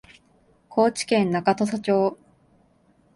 高知県中土佐町